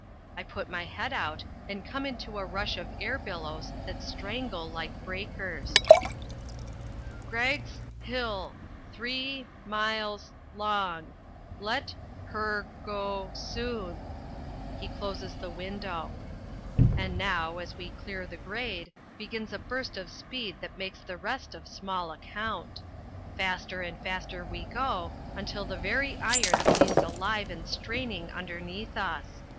I put my head out, and come into a rush of air billows that strangle like breakers. [Illustration: AT THE THROTTLE.] "Greggs Hill three miles long. Let her go soon." He closes the window. And now, as we clear the grade, begins a burst of speed that makes the rest of small account. Faster and faster we go, until the very iron seems alive and straining underneath us.